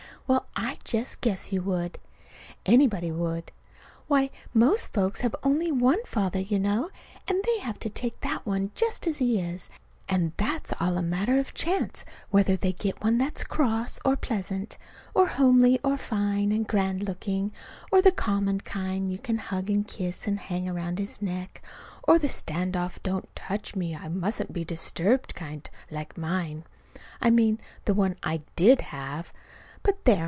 Well, I just guess you would! Anybody would. Why, most folks have only one father, you know, and they have to take that one just as he is; and it's all a matter of chance whether they get one that's cross or pleasant; or homely or fine and grand looking; or the common kind you can hug and kiss and hang round his neck, or the stand off don't touch me I mustn't be disturbed kind like mine. I mean the one I did have. But, there!